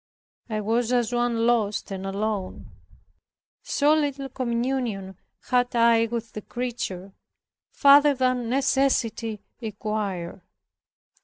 I was as one lost, and alone; so little communion had I with the creature, farther than necessity required.